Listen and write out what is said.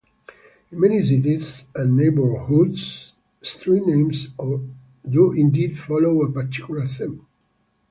In many cities and neighborhoods, street names do indeed follow a particular theme.